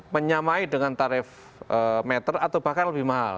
menyamai dengan tarif meter atau bahkan lebih mahal